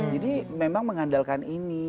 jadi memang mengandalkan ini